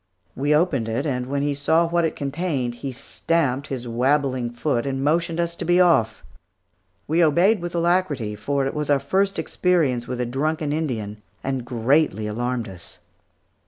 We opened it, and when he saw what it contained he stamped his wabbling foot and motioned us to be off. We obeyed with alacrity, for it was our first experience with a drunken Indian, and greatly alarmed us.